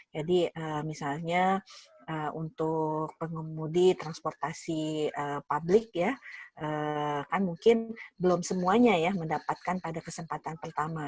jadi misalnya untuk pengemudi transportasi publik kan mungkin belum semuanya mendapatkan pada kesempatan pertama